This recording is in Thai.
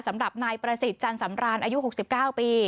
สำหรับนายประสิทธิ์จันสำราญอายุ๖๙ปี